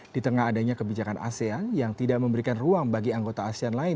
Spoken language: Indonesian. di tengah adanya kebijakan asean yang tidak memberikan ruang bagi anggota asean lain